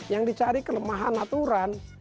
yang dicari kelemahan aturan